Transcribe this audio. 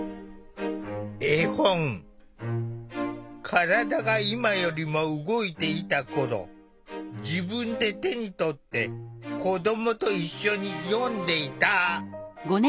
体が今よりも動いていた頃自分で手に取って子どもと一緒に読んでいた。